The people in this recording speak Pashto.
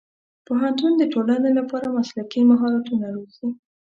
پوهنتون د ټولنې لپاره مسلکي مهارتونه روزي.